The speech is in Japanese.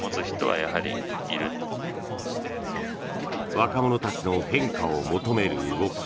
若者たちの変化を求める動き。